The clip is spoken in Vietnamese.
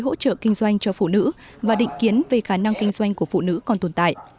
hỗ trợ kinh doanh cho phụ nữ và định kiến về khả năng kinh doanh của phụ nữ còn tồn tại